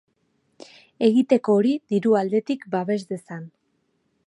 Egiteko hori diru aldetik babes dezan.